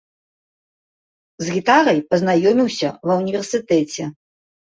З гітарай пазнаёміўся ва ўніверсітэце.